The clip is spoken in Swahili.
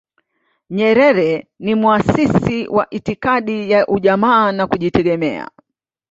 nyerere ni mwasisi wa itikadi ya ujamaa na kujitegemea